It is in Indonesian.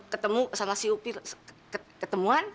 ketemu sama si upi ketemuan